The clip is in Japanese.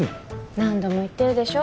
何度も言ってるでしょ